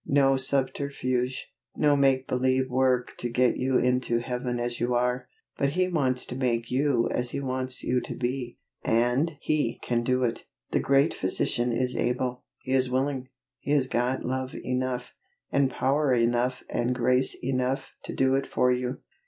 No subterfuge; no make believe work to get you into Heaven as you are; but He wants to make you as He wants you to be, and He can do it. The Great Physician is able, He is willing, He has got love enough, and power enough and grace enough to do it for you.